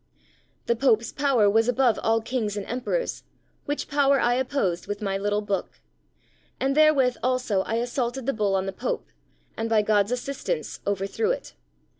The Pope's power was above all Kings and Emperors, which power I opposed with my little book; and therewith also I assaulted the Bull on the Pope, and, by God's assistance, overthrew it.